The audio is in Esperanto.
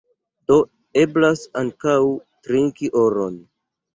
Do, eblas ankaŭ trinki oron.